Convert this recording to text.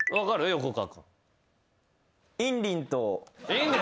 横川君。